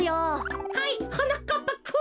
はいはなかっぱくん。